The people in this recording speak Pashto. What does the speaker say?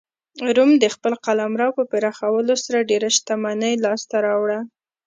روم د خپل قلمرو په پراخولو سره ډېره شتمنۍ لاسته راوړه.